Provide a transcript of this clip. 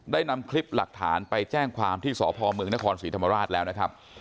ได้นำคลิปหลักฐานไปแจ้งความที่สพเมืองนครศรีธรรมราชแล้วนะครับ